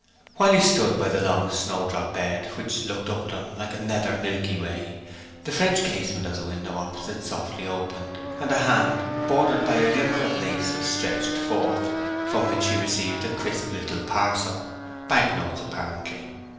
While he stood by the long snowdrop bed, which looked up at him like a nether Milky Way, the French casement of the window opposite softly opened, and a hand bordered by a glimmer of lace was stretched forth, from which he received a crisp little parcel, bank notes, apparently.